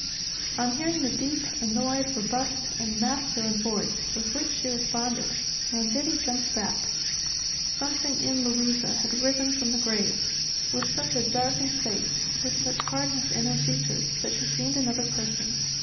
..." On hearing the deep, annoyed, robust, and masculine voice with which she responded, Mongeri jumped back. Luisa had risen from the grave, with such a darkened face, with such hardness in her features, that she seemed another person.